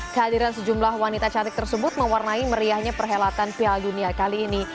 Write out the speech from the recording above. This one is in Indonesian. kehadiran sejumlah wanita cantik tersebut mewarnai meriahnya perhelatan piala dunia kali ini